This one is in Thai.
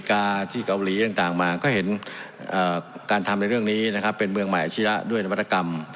กางมาก็เห็นการทำด้วยเรื่องนี้นะครับเป็นเมืองใหม่อาชีลาด้วยนวัตกรรม